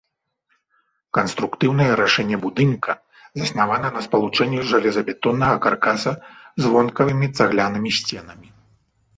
Канструктыўнае рашэнне будынка заснавана на спалучэнні жалезабетоннага каркаса з вонкавымі цаглянымі сценамі.